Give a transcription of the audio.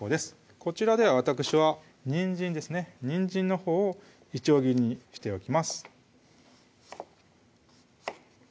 こちらではわたくしはにんじんですねにんじんのほうをいちょう切りにしておきます